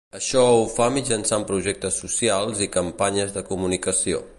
Això ho fa mitjançant projectes socials i campanyes de comunicació.